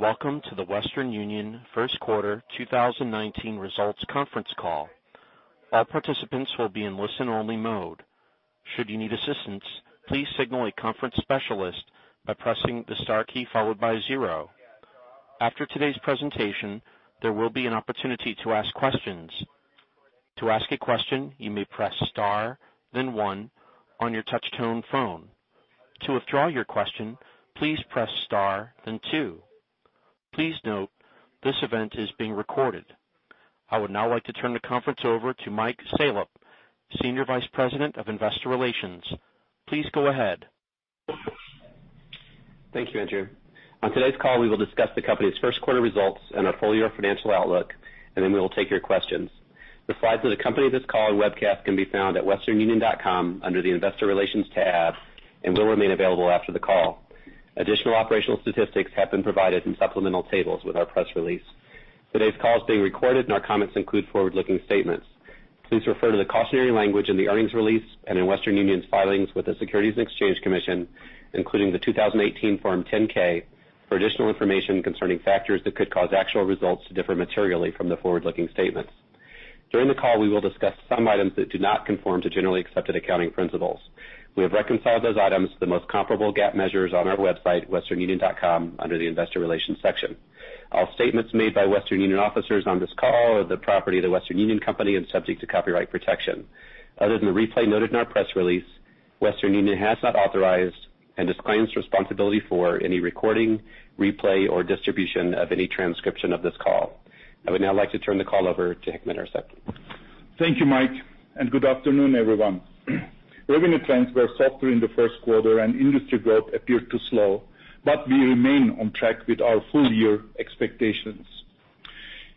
Good day, and welcome to the Western Union first quarter 2019 results conference call. All participants will be in listen-only mode. Should you need assistance, please signal a conference specialist by pressing the star key followed by 0. After today's presentation, there will be an opportunity to ask questions. To ask a question, you may press star then 1 on your touch-tone phone. To withdraw your question, please press star then 2. Please note, this event is being recorded. I would now like to turn the conference over to Mike Salop, Senior Vice President of Investor Relations. Please go ahead. Thank you, Andrew. On today's call, we will discuss the company's first quarter results and our full-year financial outlook, and then we will take your questions. The slides that accompany this call and webcast can be found at westernunion.com under the investor relations tab and will remain available after the call. Additional operational statistics have been provided in supplemental tables with our press release. Today's call is being recorded and our comments include forward-looking statements. Please refer to the cautionary language in the earnings release and in Western Union's filings with the Securities and Exchange Commission, including the 2018 Form 10-K for additional information concerning factors that could cause actual results to differ materially from the forward-looking statements. During the call, we will discuss some items that do not conform to generally accepted accounting principles. We have reconciled those items to the most comparable GAAP measures on our website, westernunion.com, under the investor relations section. All statements made by Western Union officers on this call are the property of The Western Union Company and subject to copyright protection. Other than the replay noted in our press release, Western Union has not authorized and disclaims responsibility for any recording, replay, or distribution of any transcription of this call. I would now like to turn the call over to Hikmet Ersek. Thank you, Mike, and good afternoon, everyone. Revenue trends were softer in the first quarter and industry growth appeared to slow, but we remain on track with our full-year expectations.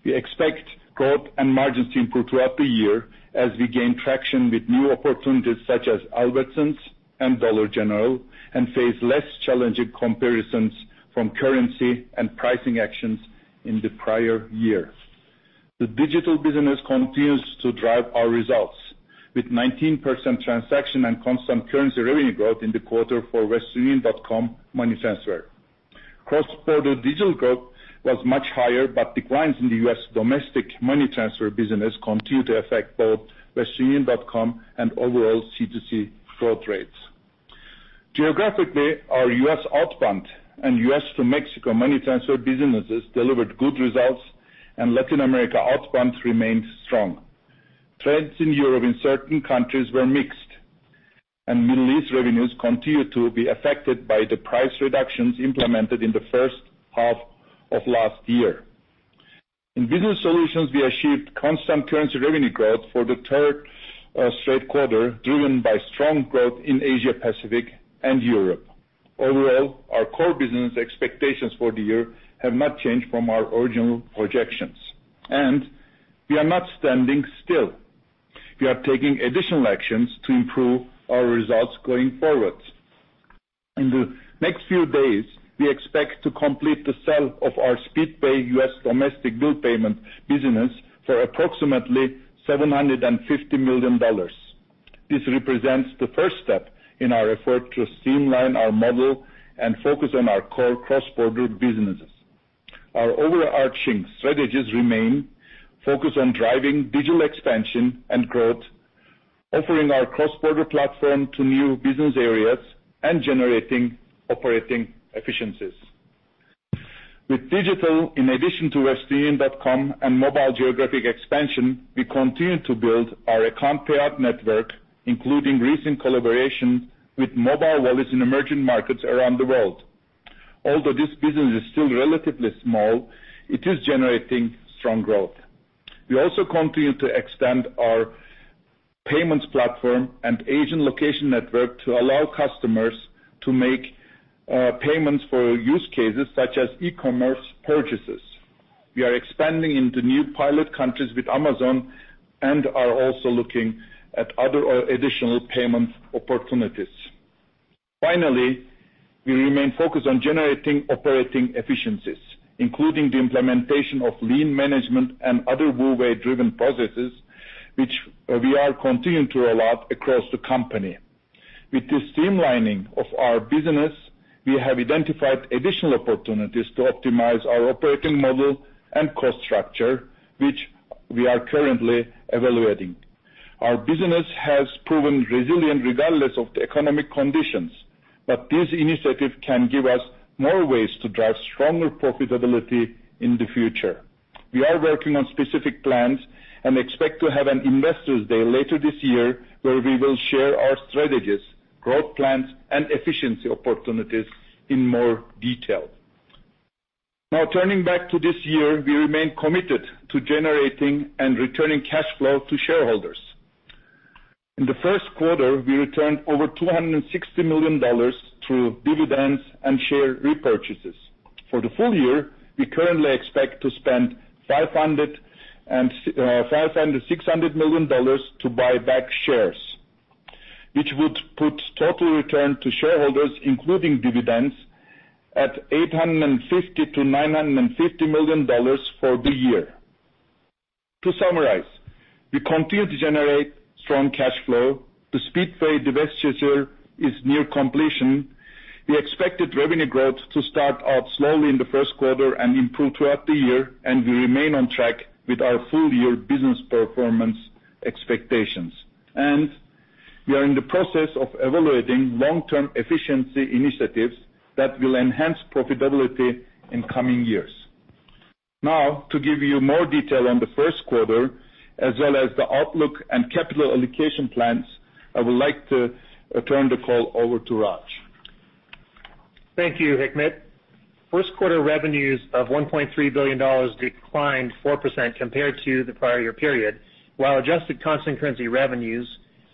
We expect growth and margins to improve throughout the year as we gain traction with new opportunities such as Albertsons and Dollar General and face less challenging comparisons from currency and pricing actions in the prior year. The digital business continues to drive our results, with 19% transaction and constant currency revenue growth in the quarter for westernunion.com money transfer. Cross-border digital growth was much higher, but declines in the U.S. domestic money transfer business continue to affect both westernunion.com and overall C2C growth rates. Geographically, our U.S. outbound and U.S. to Mexico money transfer businesses delivered good results, and Latin America outbound remained strong. Trends in Europe in certain countries were mixed. Middle East revenues continue to be affected by the price reductions implemented in the first half of last year. In Western Union Business Solutions, we achieved constant currency revenue growth for the third straight quarter, driven by strong growth in Asia Pacific and Europe. Overall, our core business expectations for the year have not changed from our original projections. We are not standing still. We are taking additional actions to improve our results going forward. In the next few days, we expect to complete the sale of our Speedpay U.S. domestic bill payment business for approximately $750 million. This represents the first step in our effort to streamline our model and focus on our core cross-border businesses. Our overarching strategies remain focused on driving digital expansion and growth, offering our cross-border platform to new business areas, and generating operating efficiencies. With digital, in addition to westernunion.com and mobile geographic expansion, we continue to build our account payout network, including recent collaboration with mobile wallets in emerging markets around the world. Although this business is still relatively small, it is generating strong growth. We also continue to extend our payments platform and agent location network to allow customers to make payments for use cases such as e-commerce purchases. We are expanding into new pilot countries with Amazon and are also looking at other additional payment opportunities. Finally, we remain focused on generating operating efficiencies, including the implementation of lean management and other WU way-driven processes, which we are continuing to roll out across the company. With this streamlining of our business, we have identified additional opportunities to optimize our operating model and cost structure, which we are currently evaluating. Our business has proven resilient regardless of the economic conditions. This initiative can give us more ways to drive stronger profitability in the future. We are working on specific plans and expect to have an investors day later this year where we will share our strategies, growth plans, and efficiency opportunities in more detail. Turning back to this year, we remain committed to generating and returning cash flow to shareholders. In the first quarter, we returned over $260 million through dividends and share repurchases. For the full year, we currently expect to spend $500 million-$600 million to buy back shares, which would put total return to shareholders, including dividends, at $850 million-$950 million for the year. We continue to generate strong cash flow. The Speedpay divestiture is near completion. We expected revenue growth to start out slowly in the first quarter and improve throughout the year. We remain on track with our full-year business performance expectations. We are in the process of evaluating long-term efficiency initiatives that will enhance profitability in coming years. To give you more detail on the first quarter as well as the outlook and capital allocation plans, I would like to turn the call over to Raj. Thank you, Hikmet. First quarter revenues of $1.3 billion declined 4% compared to the prior year period, while adjusted constant currency revenues,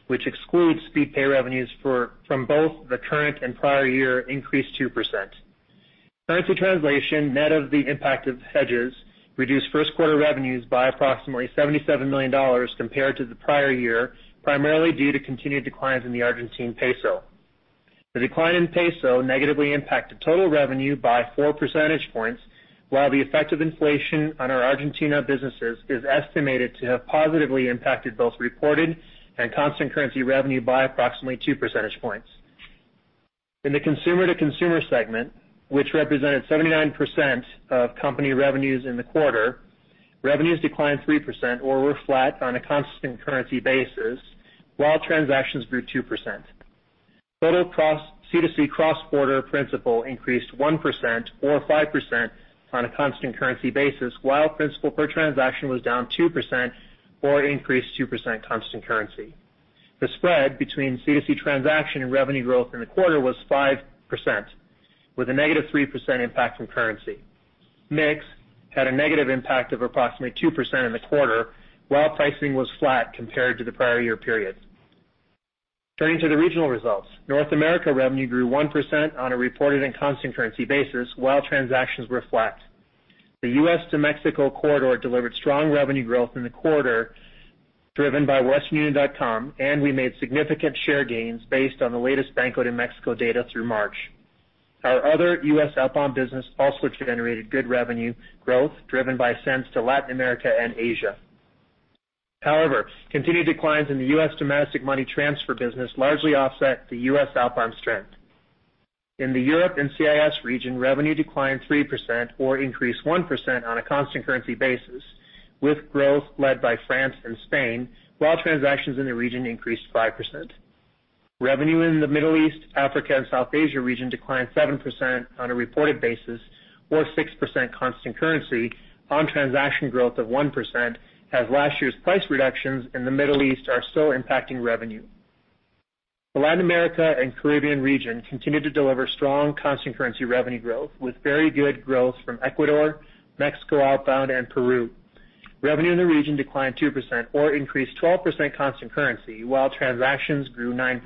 which excludes Speedpay revenues from both the current and prior year, increased 2%. Currency translation, net of the impact of hedges, reduced first quarter revenues by approximately $77 million compared to the prior year, primarily due to continued declines in the Argentine peso. The decline in peso negatively impacted total revenue by four percentage points, while the effect of inflation on our Argentina businesses is estimated to have positively impacted both reported and constant currency revenue by approximately two percentage points. In the consumer-to-consumer segment, which represented 79% of company revenues in the quarter, revenues declined 3% or were flat on a constant currency basis, while transactions grew 2%. Total C2C cross-border principal increased 1% or 5% on a constant currency basis, while principal per transaction was down 2% or increased 2% constant currency. The spread between C2C transaction and revenue growth in the quarter was 5%, with a negative 3% impact from currency. Mix had a negative impact of approximately 2% in the quarter, while pricing was flat compared to the prior year period. Turning to the regional results, North America revenue grew 1% on a reported and constant currency basis, while transactions were flat. The U.S. to Mexico corridor delivered strong revenue growth in the quarter, driven by westernunion.com, and we made significant share gains based on the latest Banxico Mexico data through March. Our other U.S. outbound business also generated good revenue growth, driven by sends to Latin America and Asia. Continued declines in the U.S. domestic money transfer business largely offset the U.S. outbound strength. In the Europe and CIS region, revenue declined 3% or increased 1% on a constant currency basis, with growth led by France and Spain, while transactions in the region increased 5%. Revenue in the Middle East, Africa, and South Asia region declined 7% on a reported basis or 6% constant currency on transaction growth of 1% as last year's price reductions in the Middle East are still impacting revenue. The Latin America and Caribbean region continued to deliver strong constant currency revenue growth with very good growth from Ecuador, Mexico outbound, and Peru. Revenue in the region declined 2% or increased 12% constant currency while transactions grew 9%.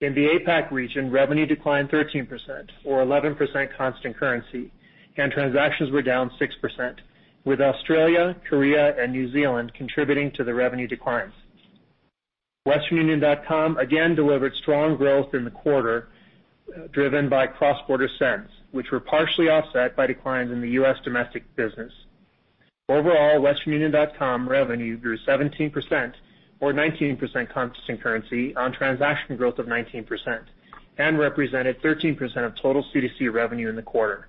In the APAC region, revenue declined 13% or 11% constant currency and transactions were down 6%, with Australia, Korea, and New Zealand contributing to the revenue declines. westernunion.com again delivered strong growth in the quarter, driven by cross-border sends, which were partially offset by declines in the U.S. domestic business. Overall, westernunion.com revenue grew 17% or 19% constant currency on transaction growth of 19% and represented 13% of total C2C revenue in the quarter.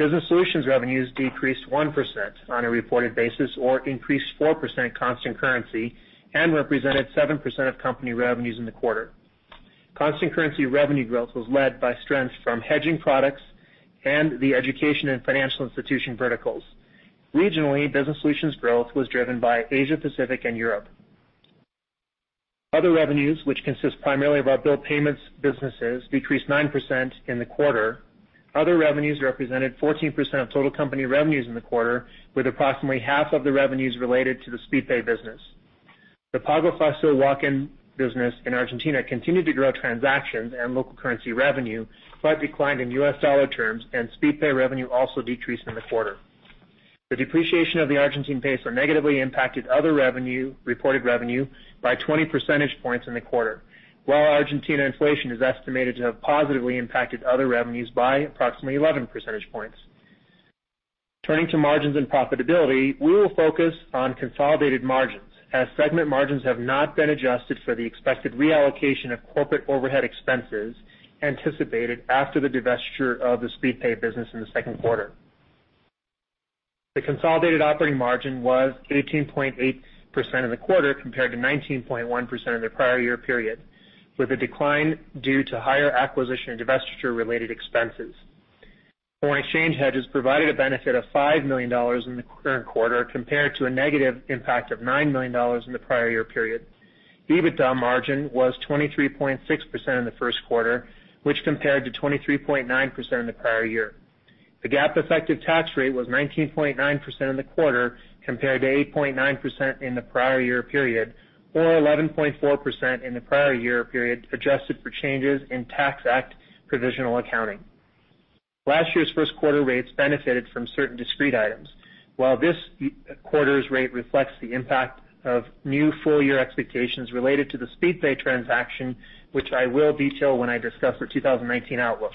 Business Solutions revenues decreased 1% on a reported basis or increased 4% constant currency and represented 7% of company revenues in the quarter. Constant currency revenue growth was led by strength from hedging products and the education and financial institution verticals. Regionally, Business Solutions growth was driven by Asia Pacific and Europe. Other revenues, which consist primarily of our bill payments businesses, decreased 9% in the quarter. Other revenues represented 14% of total company revenues in the quarter, with approximately half of the revenues related to the Speedpay business. The Pago Fácil walk-in business in Argentina continued to grow transactions and local currency revenue, but declined in US dollar terms, and Speedpay revenue also decreased in the quarter. The depreciation of the Argentine peso negatively impacted other reported revenue by 20 percentage points in the quarter, while Argentina inflation is estimated to have positively impacted other revenues by approximately 11 percentage points. Turning to margins and profitability, we will focus on consolidated margins as segment margins have not been adjusted for the expected reallocation of corporate overhead expenses anticipated after the divestiture of the Speedpay business in the second quarter. The consolidated operating margin was 18.8% in the quarter compared to 19.1% in the prior year period, with a decline due to higher acquisition and divestiture-related expenses. Foreign exchange hedges provided a benefit of $5 million in the current quarter compared to a negative impact of $9 million in the prior year period. EBITDA margin was 23.6% in the first quarter, which compared to 23.9% in the prior year. The GAAP effective tax rate was 19.9% in the quarter compared to 8.9% in the prior year period, or 11.4% in the prior year period adjusted for changes in Tax Act provisional accounting. Last year's first quarter rates benefited from certain discrete items, while this quarter's rate reflects the impact of new full-year expectations related to the Speedpay transaction, which I will detail when I discuss the 2019 outlook.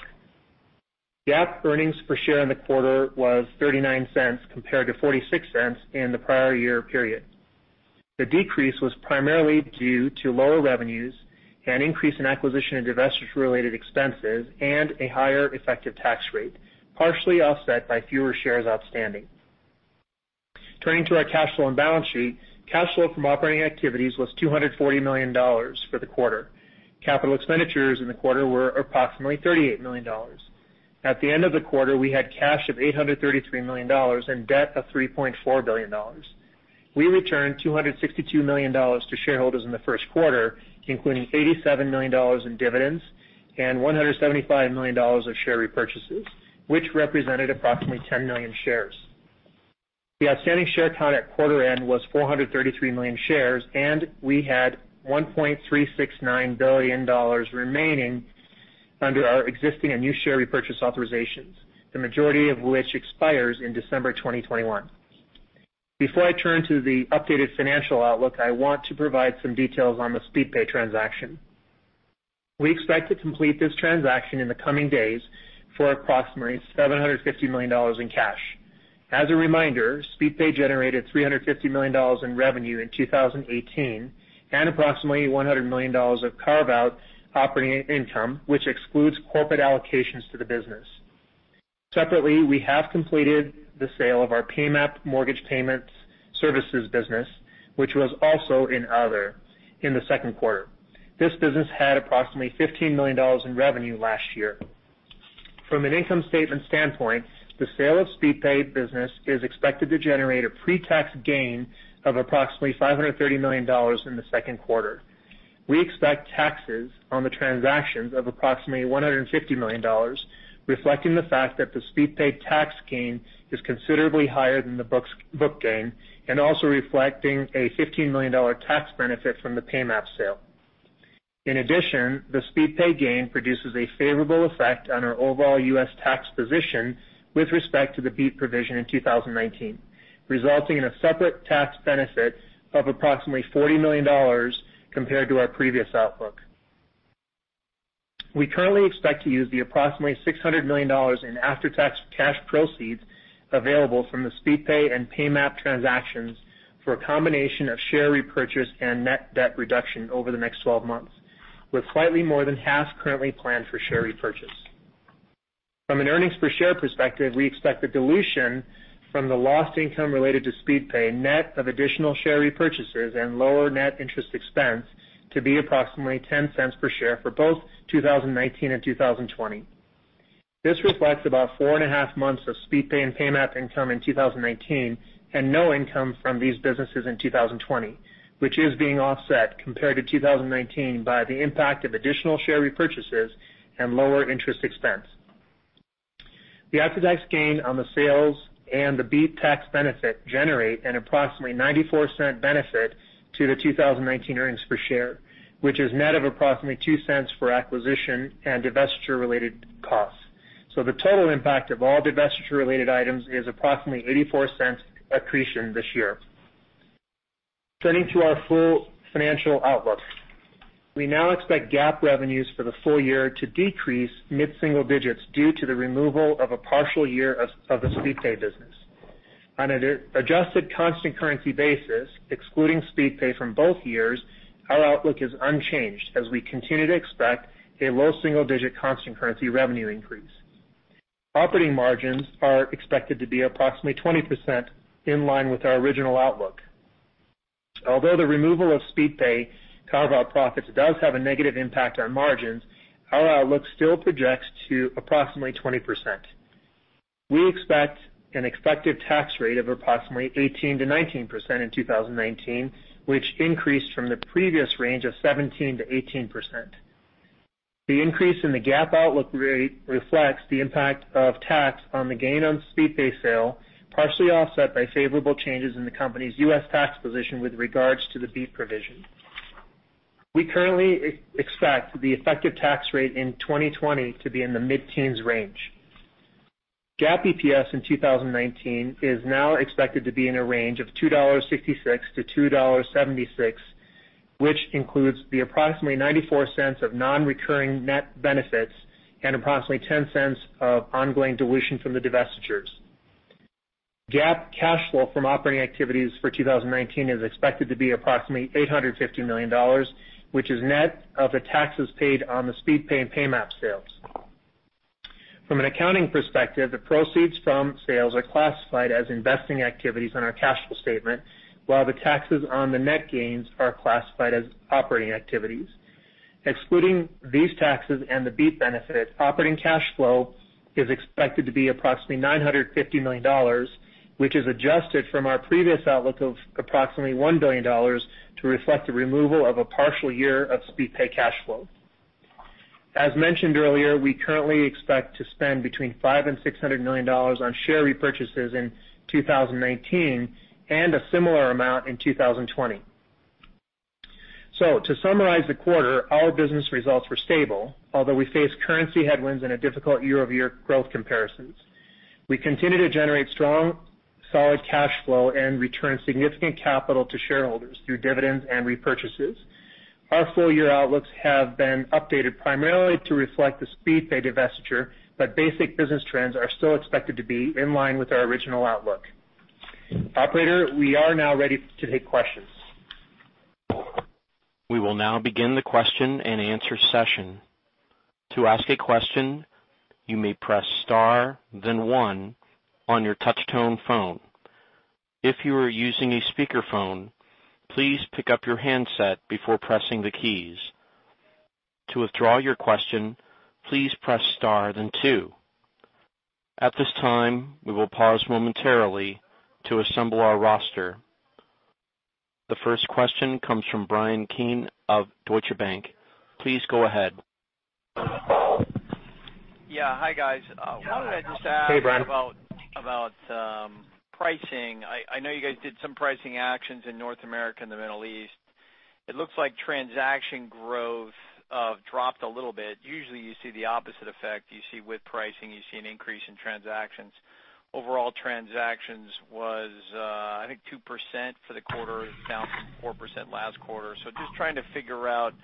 GAAP earnings per share in the quarter was $0.39 compared to $0.46 in the prior year period. The decrease was primarily due to lower revenues and increase in acquisition and divestiture-related expenses, and a higher effective tax rate, partially offset by fewer shares outstanding. Turning to our cash flow and balance sheet. Cash flow from operating activities was $240 million for the quarter. Capital expenditures in the quarter were approximately $38 million. At the end of the quarter, we had cash of $833 million and debt of $3.4 billion. We returned $262 million to shareholders in the first quarter, including $87 million in dividends and $175 million of share repurchases, which represented approximately 10 million shares. The outstanding share count at quarter end was 433 million shares, and we had $1.369 billion remaining under our existing and new share repurchase authorizations, the majority of which expires in December 2021. Before I turn to the updated financial outlook, I want to provide some details on the Speedpay transaction. We expect to complete this transaction in the coming days for approximately $750 million in cash. As a reminder, Speedpay generated $350 million in revenue in 2018 and approximately $100 million of carve-out operating income, which excludes corporate allocations to the business. Separately, we have completed the sale of our Paymap Mortgage Payments services business, which was also in other in the second quarter. This business had approximately $15 million in revenue last year. From an income statement standpoint, the sale of Speedpay business is expected to generate a pre-tax gain of approximately $530 million in the second quarter. We expect taxes on the transactions of approximately $150 million, reflecting the fact that the Speedpay tax gain is considerably higher than the book gain, and also reflecting a $15 million tax benefit from the Paymap sale. In addition, the Speedpay gain produces a favorable effect on our overall U.S. tax position with respect to the BEAT provision in 2019, resulting in a separate tax benefit of approximately $40 million compared to our previous outlook. We currently expect to use the approximately $600 million in after-tax cash proceeds available from the Speedpay and Paymap transactions for a combination of share repurchase and net debt reduction over the next 12 months, with slightly more than half currently planned for share repurchase. From an earnings per share perspective, we expect the dilution from the lost income related to Speedpay, net of additional share repurchases and lower net interest expense, to be approximately $0.10 per share for both 2019 and 2020. This reflects about four and a half months of Speedpay and Paymap income in 2019 and no income from these businesses in 2020, which is being offset compared to 2019 by the impact of additional share repurchases and lower interest expense. The after-tax gain on the sales and the BEAT tax benefit generate an approximately $0.94 benefit to the 2019 earnings per share, which is net of approximately $0.02 for acquisition and divestiture-related costs. The total impact of all divestiture-related items is approximately $0.84 accretion this year. Turning to our full financial outlook. We now expect GAAP revenues for the full year to decrease mid-single digits due to the removal of a partial year of the Speedpay business. On an adjusted constant currency basis, excluding Speedpay from both years, our outlook is unchanged as we continue to expect a low single-digit constant currency revenue increase. Operating margins are expected to be approximately 20%, in line with our original outlook. Although the removal of Speedpay carve-out profits does have a negative impact on margins, our outlook still projects to approximately 20%. We expect an effective tax rate of approximately 18%-19% in 2019, which increased from the previous range of 17%-18%. The increase in the GAAP outlook rate reflects the impact of tax on the gain on Speedpay sale, partially offset by favorable changes in the company's U.S. tax position with regards to the BEAT provision. We currently expect the effective tax rate in 2020 to be in the mid-teens range. GAAP EPS in 2019 is now expected to be in a range of $2.66-$2.76, which includes the approximately $0.94 of non-recurring net benefits and approximately $0.10 of ongoing dilution from the divestitures. GAAP cash flow from operating activities for 2019 is expected to be approximately $850 million, which is net of the taxes paid on the Speedpay and Paymap sales. From an accounting perspective, the proceeds from sales are classified as investing activities on our cash flow statement, while the taxes on the net gains are classified as operating activities. Excluding these taxes and the BEAT benefit, operating cash flow is expected to be approximately $950 million, which is adjusted from our previous outlook of approximately $1 billion to reflect the removal of a partial year of Speedpay cash flow. As mentioned earlier, we currently expect to spend between $500 million and $600 million on share repurchases in 2019 and a similar amount in 2020. To summarize the quarter, our business results were stable, although we faced currency headwinds and a difficult year-over-year growth comparisons. We continue to generate strong, solid cash flow and return significant capital to shareholders through dividends and repurchases. Our full-year outlooks have been updated primarily to reflect the Speedpay divestiture, but basic business trends are still expected to be in line with our original outlook. Operator, we are now ready to take questions. We will now begin the question-and-answer session. To ask a question, you may press star then one on your touch-tone phone. If you are using a speakerphone, please pick up your handset before pressing the keys. To withdraw your question, please press star then two. At this time, we will pause momentarily to assemble our roster. The first question comes from Bryan Keane of Deutsche Bank. Please go ahead. Yeah. Hi, guys. Hey, Bryan. Wanted to just ask about pricing. I know you guys did some pricing actions in North America and the Middle East. It looks like transaction growth dropped a little bit. Usually, you see the opposite effect. You see with pricing, you see an increase in transactions. Overall transactions was, I think, 2% for the quarter down from 4% last quarter. Just trying to figure out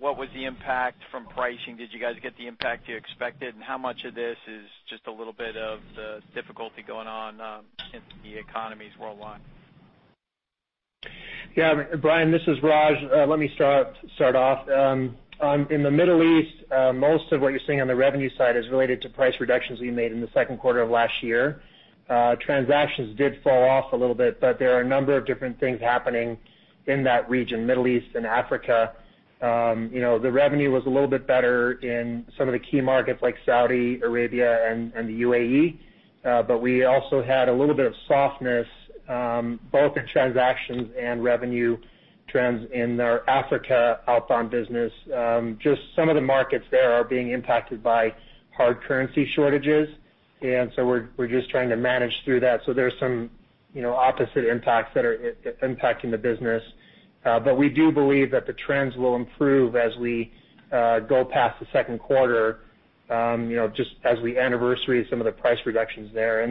what was the impact from pricing. Did you guys get the impact you expected? How much of this is just a little bit of the difficulty going on in the economies worldwide? Yeah, Bryan, this is Raj. Let me start off. In the Middle East, most of what you're seeing on the revenue side is related to price reductions we made in the second quarter of last year. Transactions did fall off a little bit, but there are a number of different things happening in that region, Middle East and Africa. The revenue was a little bit better in some of the key markets like Saudi Arabia and the UAE. We also had a little bit of softness both in transactions and revenue trends in our Africa outbound business. Just some of the markets there are being impacted by hard currency shortages. We're just trying to manage through that. There's some opposite impacts that are impacting the business. We do believe that the trends will improve as we go past the second quarter, just as we anniversary some of the price reductions there.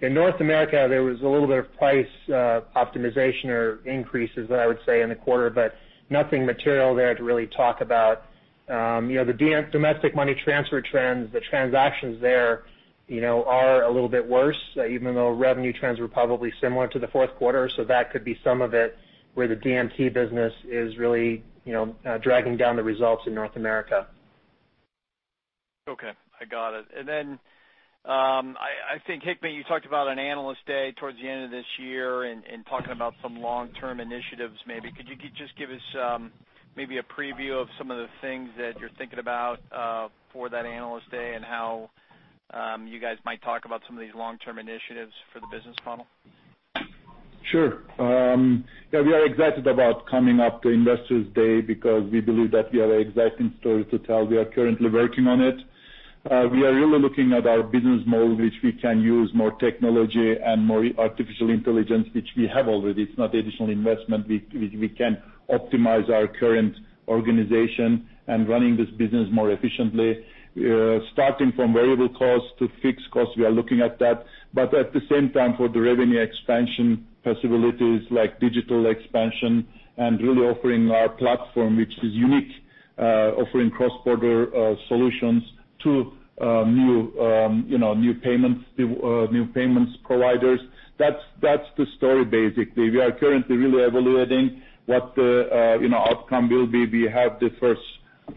In North America, there was a little bit of price optimization or increases that I would say in the quarter, but nothing material there to really talk about. The domestic money transfer trends, the transactions there are a little bit worse, even though revenue trends were probably similar to the fourth quarter. That could be some of it where the DMT business is really dragging down the results in North America. Okay, I got it. I think Hikmet, you talked about an Analyst Day towards the end of this year and talking about some long-term initiatives maybe. Could you just give us maybe a preview of some of the things that you're thinking about for that Analyst Day and how you guys might talk about some of these long-term initiatives for the business funnel? Sure. Yeah, we are excited about coming up to Investors Day because we believe that we have an exciting story to tell. We are currently working on it. We are really looking at our business model, which we can use more technology and more artificial intelligence, which we have already. It's not additional investment. We can optimize our current organization and running this business more efficiently. Starting from variable cost to fixed cost, we are looking at that. At the same time, for the revenue expansion possibilities like digital expansion and really offering our platform, which is unique offering cross-border solutions to new payments providers. That's the story basically. We are currently really evaluating what the outcome will be. We have the first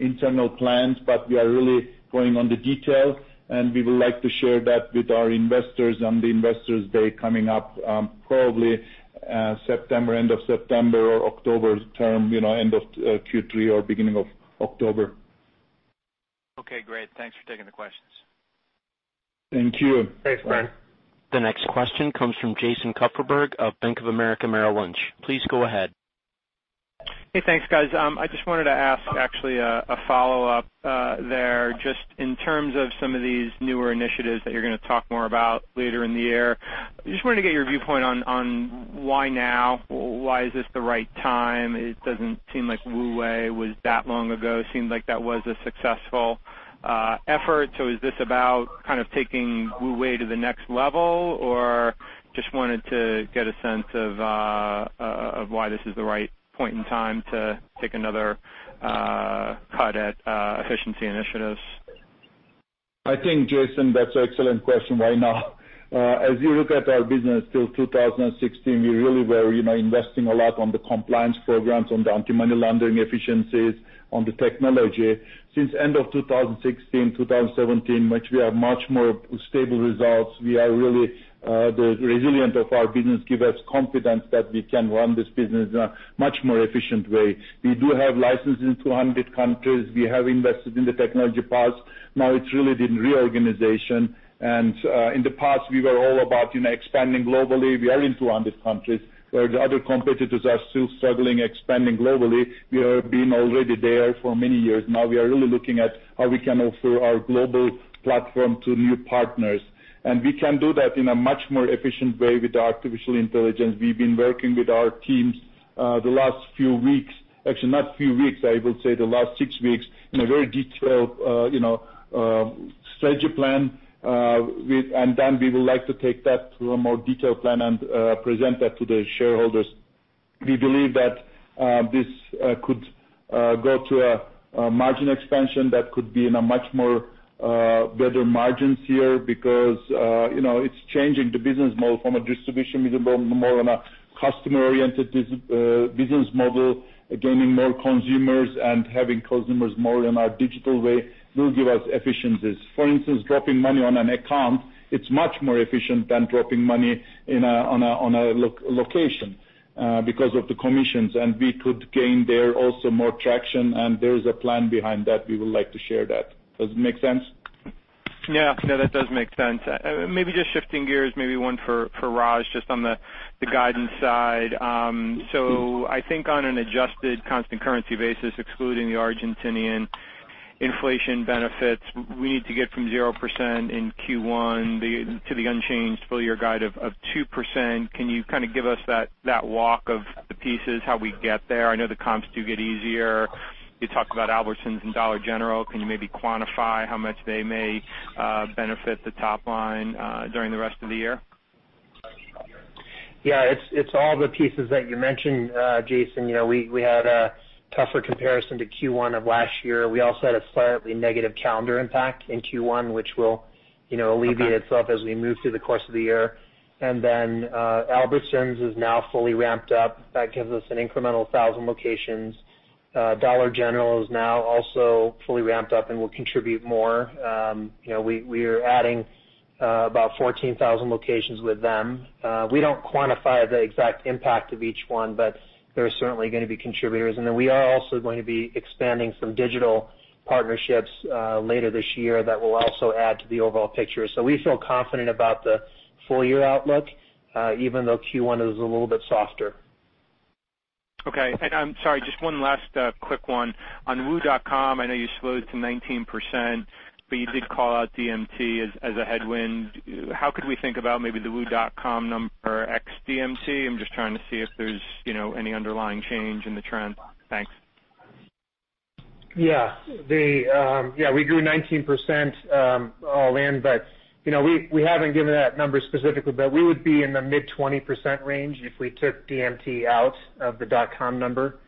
internal plans, but we are really going on the detail, and we would like to share that with our investors on the Investors Day coming up probably end of September or October term, end of Q3 or beginning of October. Okay, great. Thanks for taking the questions. Thank you. Thanks, Bryan. The next question comes from Jason Kupferberg of Bank of America Merrill Lynch. Please go ahead. Hey, thanks, guys. I just wanted to ask actually a follow-up there just in terms of some of these newer initiatives that you're going to talk more about later in the year. Just wanted to get your viewpoint on why now? Why is this the right time? It doesn't seem like WU Way was that long ago. Seemed like that was a successful effort. Is this about kind of taking WU Way to the next level? Just wanted to get a sense of why this is the right point in time to take another cut at efficiency initiatives. I think, Jason, that's an excellent question. Why now? As you look at our business till 2016, we really were investing a lot on the compliance programs, on the anti-money laundering efficiencies, on the technology. Since end of 2016, 2017, which we have much more stable results. The resilience of our business give us confidence that we can run this business in a much more efficient way. We do have licenses in 200 countries. We have invested in the technology parts. Now it's really the reorganization. In the past, we were all about expanding globally. We are in 200 countries, where the other competitors are still struggling expanding globally. We have been already there for many years. Now we are really looking at how we can offer our global platform to new partners. We can do that in a much more efficient way with artificial intelligence. We've been working with our teams the last few weeks, actually not few weeks, I would say the last 6 weeks in a very detailed strategy plan. We would like to take that to a more detailed plan and present that to the shareholders. We believe that this could go to a margin expansion that could be in a much more better margins here because it's changing the business model from a distribution business model more on a customer-oriented business model. Gaining more consumers and having consumers more in our digital way will give us efficiencies. For instance, dropping money on an account, it's much more efficient than dropping money in a location because of the commissions, and we could gain there also more traction, and there is a plan behind that. We would like to share that. Does it make sense? Yeah. No, that does make sense. Maybe just shifting gears, maybe one for Raj, just on the guidance side. I think on an adjusted constant currency basis, excluding the Argentinian inflation benefits, we need to get from 0% in Q1 to the unchanged full-year guide of 2%. Can you kind of give us that walk of the pieces, how we get there? I know the comps do get easier. You talked about Albertsons and Dollar General. Can you maybe quantify how much they may benefit the top line during the rest of the year? Yeah, it's all the pieces that you mentioned, Jason. We had a tougher comparison to Q1 of last year. We also had a slightly negative calendar impact in Q1, which will alleviate itself as we move through the course of the year. Albertsons is now fully ramped up. That gives us an incremental 1,000 locations. Dollar General is now also fully ramped up and will contribute more. We are adding about 14,000 locations with them. We don't quantify the exact impact of each one, but they're certainly going to be contributors. We are also going to be expanding some digital partnerships later this year that will also add to the overall picture. We feel confident about the full-year outlook, even though Q1 is a little bit softer. Okay. I'm sorry, just one last quick one. On wu.com, I know you slowed to 19%, but you did call out DMT as a headwind. How could we think about maybe the wu.com number ex DMT? I'm just trying to see if there's any underlying change in the trend. Thanks. Yeah. We grew 19% all in. We haven't given that number specifically. We would be in the mid 20% range if we took DMT out of the wu.com number.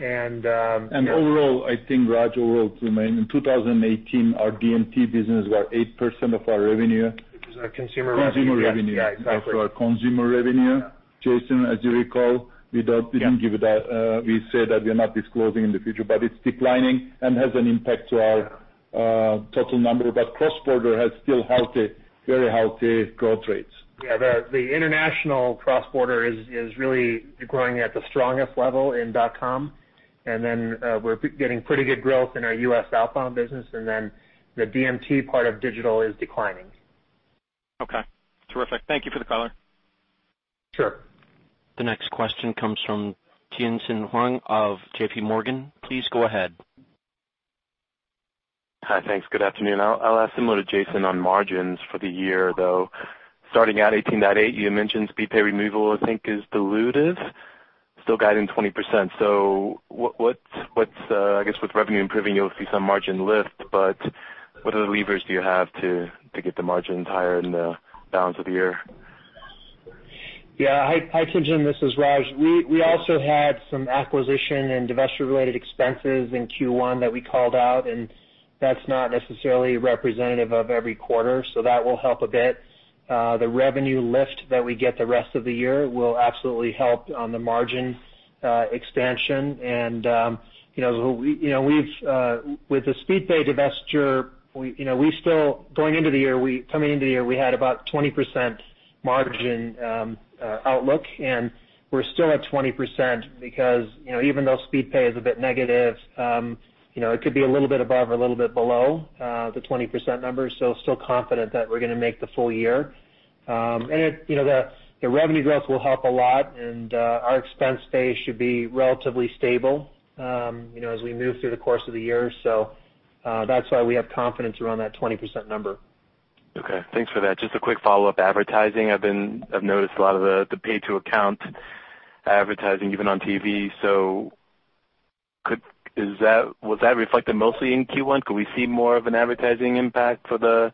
Overall, I think Raj will remain. In 2018, our DMT business was 8% of our revenue. Which is our consumer revenue. Consumer revenue. Yes. Exactly. Of our consumer revenue. Jason, as you recall, we didn't give that. We said that we are not disclosing in the future, but it's declining and has an impact to our total number. Cross-border has still healthy, very healthy growth rates. Yeah. The international cross-border is really growing at the strongest level in .com. We're getting pretty good growth in our U.S. outbound business, and the DMT part of digital is declining. Okay. Terrific. Thank you for the color. Sure. The next question comes from Tien-tsin Huang of J.P. Morgan. Please go ahead. Hi. Thanks. Good afternoon. I'll ask similar to Jason on margins for the year, though. Starting at 18.8%, you mentioned Speedpay removal, I think is dilutive. Still guiding 20%. I guess with revenue improving, you'll see some margin lift, but what other levers do you have to get the margins higher in the balance of the year? Yeah. Hi, Tien-tsin. This is Raj. We also had some acquisition and divesture-related expenses in Q1 that we called out, that's not necessarily representative of every quarter, so that will help a bit. The revenue lift that we get the rest of the year will absolutely help on the margin expansion. With the Speedpay divesture, coming into the year, we had about 20% margin outlook, we're still at 20% because even though Speedpay is a bit negative it could be a little bit above or a little bit below the 20% number. Still confident that we're going to make the full year. The revenue growth will help a lot, and our expense base should be relatively stable as we move through the course of the year. That's why we have confidence around that 20% number. Okay. Thanks for that. Just a quick follow-up. Advertising. I've noticed a lot of the pay-to-account advertising, even on TV. Was that reflected mostly in Q1? Could we see more of an advertising impact for the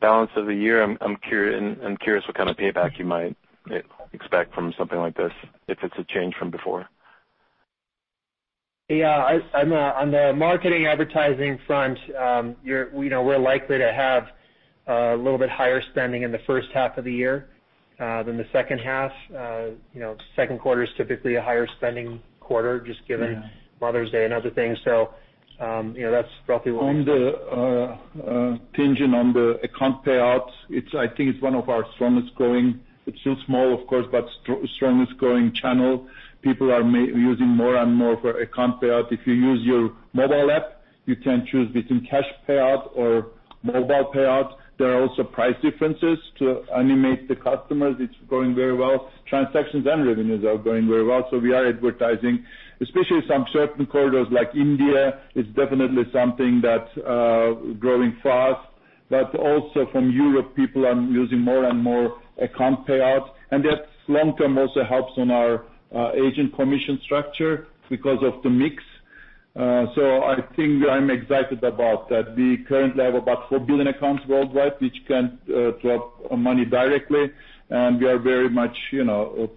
balance of the year? I'm curious what kind of payback you might expect from something like this, if it's a change from before. Yeah. On the marketing advertising front, we're likely to have a little bit higher spending in the first half of the year than the second half. Second quarter is typically a higher spending quarter just given Mother's Day and other things. That's roughly what we expect. On the Tien-tsin, on the account payouts, I think it's one of our strongest growing. It's still small, of course, but strongest growing channel. People are using more and more for account payout. If you use your mobile app, you can choose between cash payout or mobile payout. There are also price differences to animate the customers. It's growing very well. Transactions and revenues are growing very well. We are advertising, especially some certain corridors like India, it's definitely something that's growing fast. Also from Europe, people are using more and more account payouts. That long term also helps on our agent commission structure because of the mix. I think I'm excited about that. We currently have about 4 billion accounts worldwide which can drop money directly, and we are very much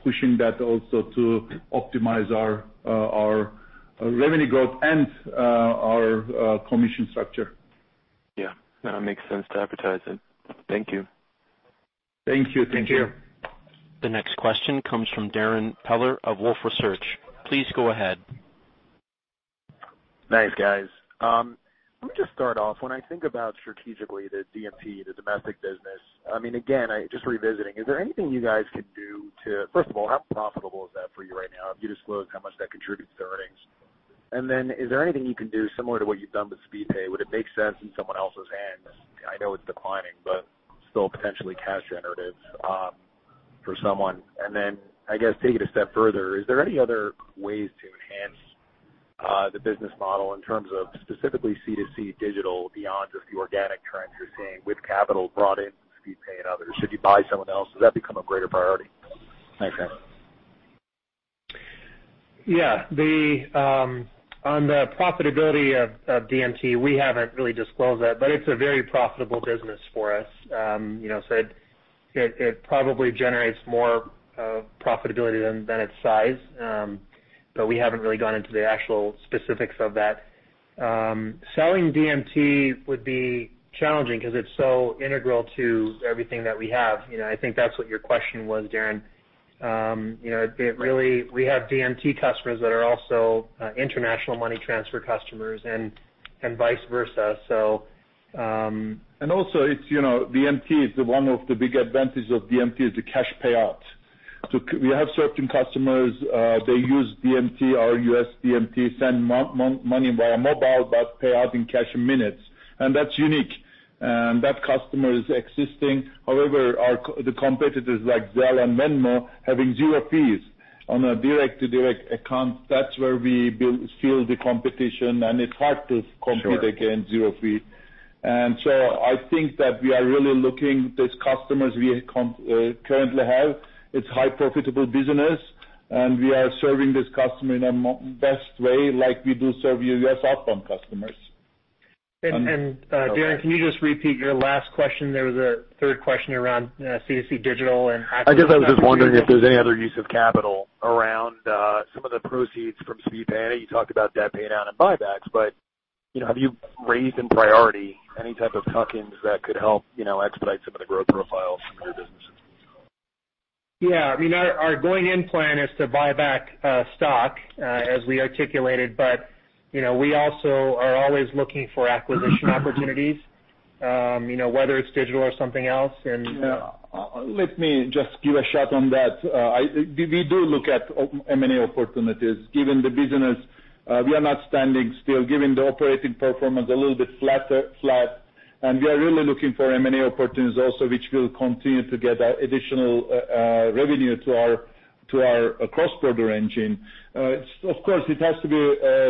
pushing that also to optimize our revenue growth and our commission structure. Yeah. No, it makes sense to advertise it. Thank you. Thank you. Thank you. The next question comes from Darrin Peller of Wolfe Research. Please go ahead. Thanks, guys. Let me just start off. When I think about strategically the DMT, the domestic business, again, just revisiting, is there anything you guys could do to— first of all, how profitable is that for you right now? Have you disclosed how much that contributes to earnings? And then is there anything you can do similar to what you've done with Speedpay? Would it make sense in someone else's hands? I know it's declining, but still potentially cash generative for someone. And then, I guess take it a step further, is there any other ways to enhance the business model in terms of specifically C2C digital beyond just the organic trends you're seeing with capital brought in from Speedpay and others? Should you buy someone else? Does that become a greater priority? Thanks, guys. Yeah. On the profitability of DMT, we haven't really disclosed that, but it's a very profitable business for us. It probably generates more profitability than its size. We haven't really gone into the actual specifics of that. Selling DMT would be challenging because it's so integral to everything that we have. I think that's what your question was, Darrin. We have DMT customers that are also international money transfer customers and vice versa. Also, one of the big advantages of DMT is the cash payout. We have certain customers, they use DMT, our U.S. DMT, send money via mobile, but pay out in cash in minutes, and that's unique. That customer is existing. However, the competitors like Zelle and Venmo having zero fees on a direct-to-direct account, that's where we feel the competition, and it's hard to compete against zero fee. Sure. I think that we are really looking at these customers we currently have. It's high profitable business, and we are serving this customer in a best way like we do serve U.S. outbound customers. Darrin, can you just repeat your last question? There was a third question around C2C digital and acquisition opportunities. I guess I was just wondering if there's any other use of capital around some of the proceeds from Speedpay. I know you talked about debt pay down and buybacks, but have you raised in priority any type of tuck-ins that could help expedite some of the growth profiles from your businesses? Yeah. Our going-in plan is to buy back stock, as we articulated, but we also are always looking for acquisition opportunities, whether it's digital or something else. Let me just give a shot on that. We do look at M&A opportunities given the business. We are not standing still given the operating performance a little bit flat. We are really looking for M&A opportunities also which will continue to get additional revenue to our cross-border engine. Of course, it has to be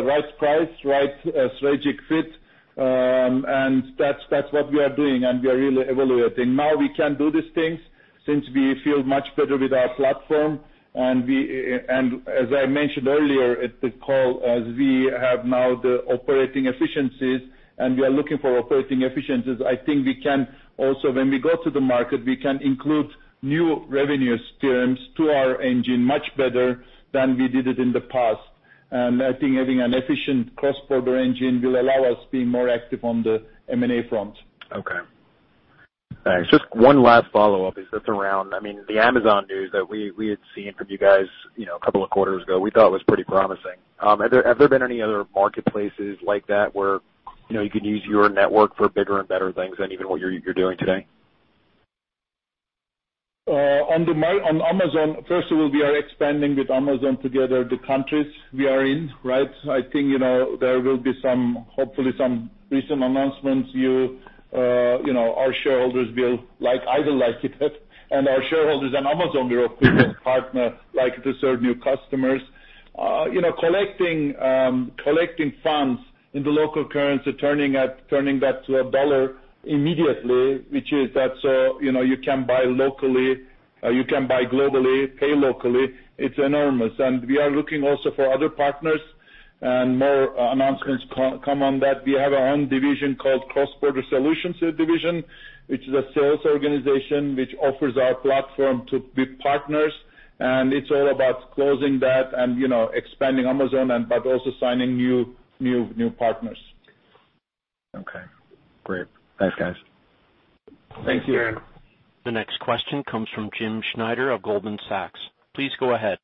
right price, right strategic fit, and that's what we are doing, and we are really evaluating. Now we can do these things since we feel much better with our platform. As I mentioned earlier at the call, as we have now the operating efficiencies and we are looking for operating efficiencies, I think we can also, when we go to the market, we can include new revenue streams to our engine much better than we did it in the past. I think having an efficient cross-border engine will allow us to be more active on the M&A front. Okay. Thanks. Just one last follow-up, it's around the Amazon news that we had seen from you guys a couple of quarters ago, we thought was pretty promising. Have there been any other marketplaces like that where you could use your network for bigger and better things than even what you're doing today? On Amazon, first of all, we are expanding with Amazon together the countries we are in. I think there will be hopefully some recent announcements our shareholders will like. I will like it and our shareholders and Amazon Europe partner like to serve new customers. Collecting funds in the local currency, turning that to a dollar immediately, which is that so you can buy globally, pay locally, it's enormous. We are looking also for other partners and more announcements come on that. We have our own division called Cross-Border Solutions Division, which is a sales organization which offers our platform to big partners, and it's all about closing that and expanding Amazon but also signing new partners. Okay, great. Thanks, guys. Thank you. Thanks, Darrin. The next question comes from James Schneider of Goldman Sachs. Please go ahead.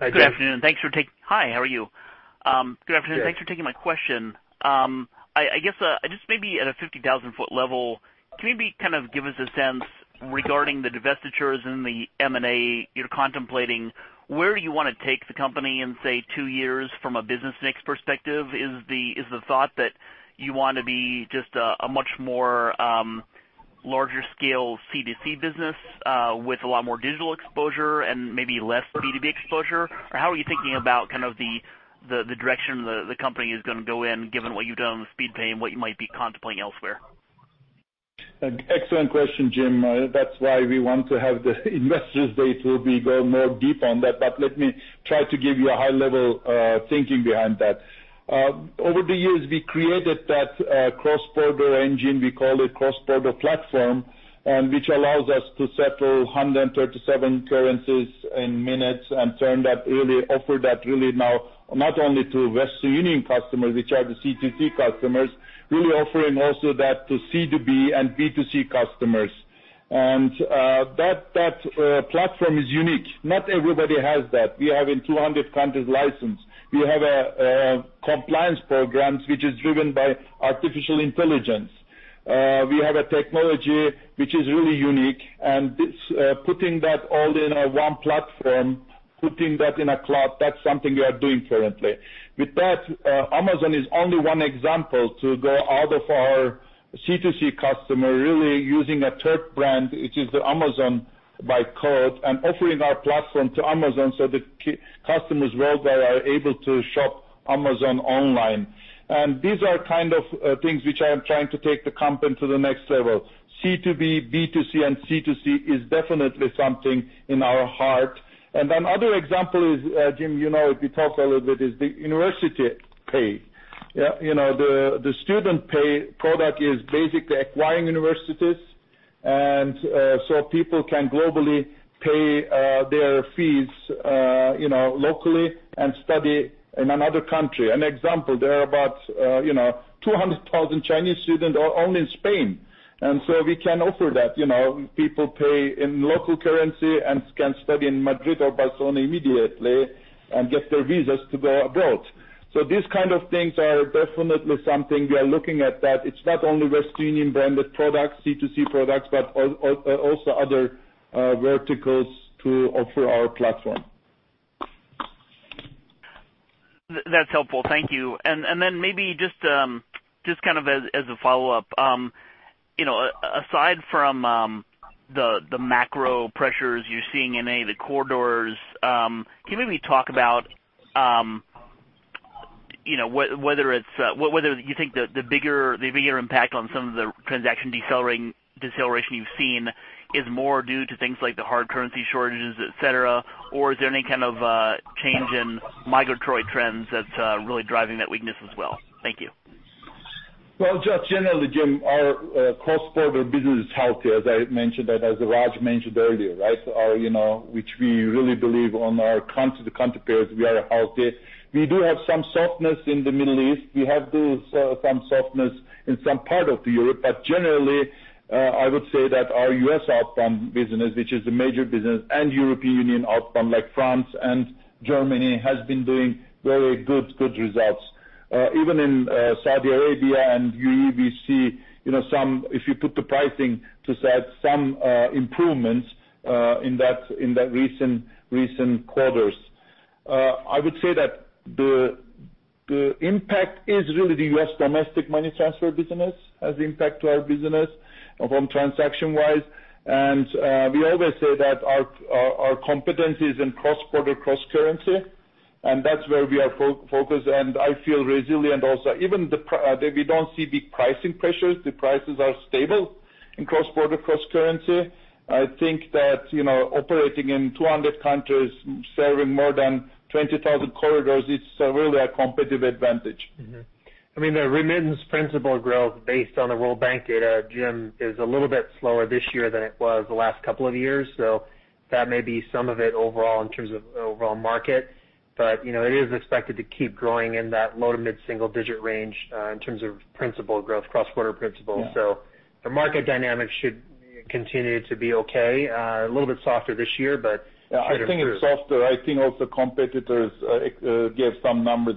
Hi, Jim. Good afternoon. Hi, how are you? Good afternoon. Yes. Thanks for taking my question. I guess just maybe at a 50,000-foot level, can you maybe kind of give us a sense regarding the divestitures and the M&A you're contemplating, where you want to take the company in, say, two years from a business mix perspective? Is the thought that you want to be just a much more larger-scale C2C business with a lot more digital exposure and maybe less B2B exposure? Or how are you thinking about kind of the direction the company is going to go in given what you've done with Speedpay and what you might be contemplating elsewhere? Excellent question, Jim. That is why we want to have the Investors Day to go more deep on that. Let me try to give you a high-level thinking behind that. Over the years, we created that cross-border engine, we call it cross-border platform, which allows us to settle 137 currencies in minutes and offer that really now not only to Western Union customers, which are the C2C customers, really offering also that to C2B and B2C customers. That platform is unique. Not everybody has that. We have in 200 countries licensed. We have compliance programs which is driven by artificial intelligence. We have a technology which is really unique, and putting that all in one platform, putting that in a cloud, that is something we are doing currently. With that, Amazon is only one example to go out of our C2C customer, really using a third brand, which is the Amazon by code, and offering our platform to Amazon so the customers worldwide are able to shop Amazon online. These are kind of things which I am trying to take the company to the next level. C2B, B2C, and C2C is definitely something in our heart. Another example is, Jim, you know it, we talked a little bit is the university pay. The student pay product is basically acquiring universities. People can globally pay their fees locally and study in another country. An example, there are about 200,000 Chinese students only in Spain. We can offer that. People pay in local currency and can study in Madrid or Barcelona immediately and get their visas to go abroad. These kind of things are definitely something we are looking at that it is not only Western Union branded products, C2C products, but also other verticals to offer our platform. That is helpful. Thank you. Maybe just as a follow-up, aside from the macro pressures you are seeing in any of the corridors, can you maybe talk about whether you think the bigger impact on some of the transaction deceleration you have seen is more due to things like the hard currency shortages, et cetera, or is there any kind of change in migratory trends that is really driving that weakness as well? Thank you. Well, just generally, Jim, our cross-border business is healthy, as I mentioned, as Raj mentioned earlier. We really believe on our country to country pairs, we are healthy. We do have some softness in the Middle East. We have some softness in some part of Europe. Generally, I would say that our U.S. outbound business, which is a major business, and European Union outbound like France and Germany, has been doing very good results. Even in Saudi Arabia and UAE, we see some, if you put the pricing to side, some improvements in the recent quarters. I would say that the impact is really the U.S. domestic money transfer business has impact to our business from transaction-wise. We always say that our competency is in cross-border, cross-currency, and that's where we are focused, and I feel resilient also. We don't see big pricing pressures. The prices are stable in cross-border, cross-currency. I think that operating in 200 countries, serving more than 20,000 corridors, it's really a competitive advantage. I mean, the remittance principal growth based on the World Bank data, Jim, is a little bit slower this year than it was the last couple of years. That may be some of it overall in terms of overall market. It is expected to keep growing in that low to mid-single digit range in terms of principal growth, cross-border principal. Yeah. The market dynamics should continue to be okay. A little bit softer this year, but should improve. I think it's softer. I think also competitors give some numbers.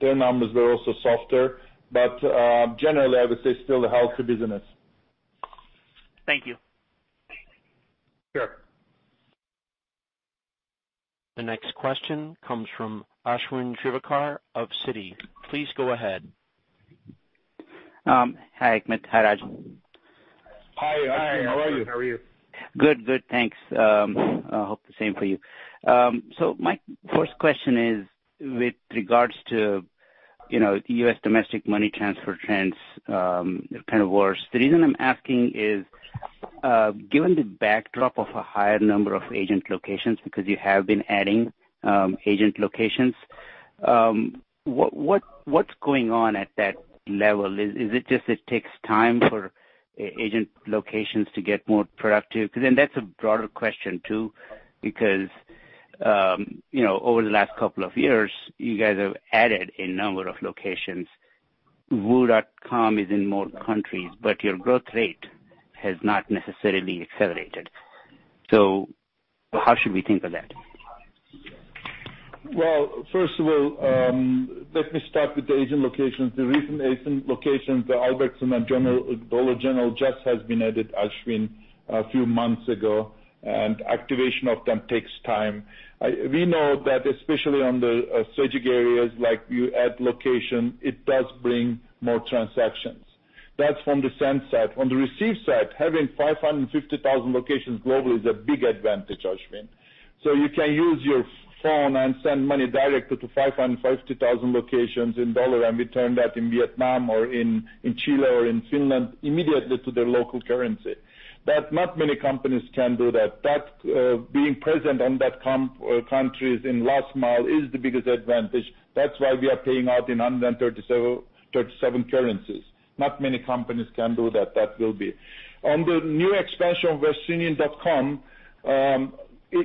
Their numbers were also softer. Generally, I would say still a healthy business. Thank you. Sure. The next question comes from Ashwin Shirvaikar of Citi. Please go ahead. Hi, Hikmet. Hi, Raj. Hi. How are you? How are you? Good. Thanks. I hope the same for you. My first question is with regards to U.S. domestic money transfer trends, kind of worse. The reason I am asking is given the backdrop of a higher number of agent locations, because you have been adding agent locations, what is going on at that level? Is it just it takes time for agent locations to get more productive? Because then that is a broader question, too, because over the last couple of years, you guys have added a number of locations. wu.com is in more countries, but your growth rate has not necessarily accelerated. How should we think of that? Well, first of all, let me start with the agent locations. The recent agent locations, the Albertsons and Dollar General just has been added, Ashwin, a few months ago. Activation of them takes time. We know that especially on the strategic areas like you add location, it does bring more transactions. That is from the send side. On the receive side, having 550,000 locations globally is a big advantage, Ashwin. You can use your phone and send money directly to 550,000 locations in $, and we turn that in Vietnam or in Chile or in Finland immediately to their local currency. Not many companies can do that. Being present in that countries in last mile is the biggest advantage. That is why we are paying out in 137 currencies. Not many companies can do that. That will be. On the new expansion of westernunion.com,